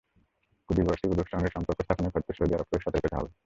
কুর্দি গোষ্ঠীগুলোর সঙ্গে সম্পর্ক স্থাপনের ক্ষেত্রে সৌদি আরবকেও সতর্ক হতে হবে।